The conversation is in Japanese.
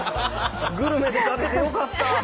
グルメで勝ててよかった。